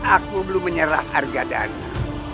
aku belum menyerah harga dana